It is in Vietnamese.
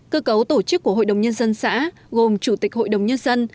cơ cấu tổ chức của hội đồng nhân dân xã gồm chủ tịch hội đồng nhân dân